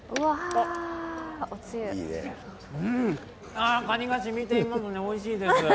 ああ、カニがしみていますねおいしいです。